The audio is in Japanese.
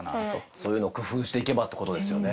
そういうのを工夫していけばってことですよね。